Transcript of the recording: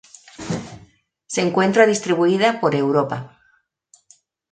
Se encuentra distribuida por Europa.